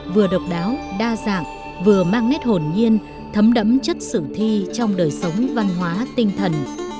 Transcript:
vừa độc đáo đa dạng vừa mang nét hồn nhiên thấm đẫm chất sự thi trong đời sống văn hóa tinh thần